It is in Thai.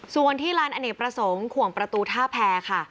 ส่วนที่ลานอเนกประสงค์ขวงประตูท่าแพรค่ะ